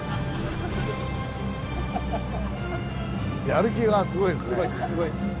やる気がすごいですね。